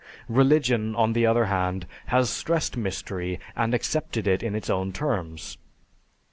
Religion, on the other hand, has stressed mystery and accepted it in its own terms.